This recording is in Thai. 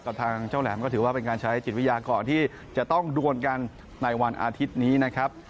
ทางเจ้าแหลมก็ถือว่าเป็นการใช้จิตวิทยาก่อนที่จะต้องดวนกันในวันอาทิตย์นี้นะครับ